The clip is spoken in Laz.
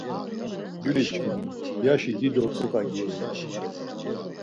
Gyuliçkimi, yaşi dido ç̌ut̆a giğun.